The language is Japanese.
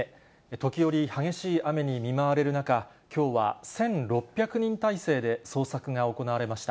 時折、激しい雨に見舞われる中、きょうは１６００人態勢で捜索が行われました。